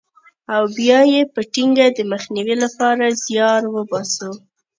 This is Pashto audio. او بیا یې په ټینګه د مخنیوي لپاره زیار وباسو.